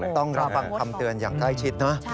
ต้องรับฟังคำเตือนอย่างใกล้ชิดนะ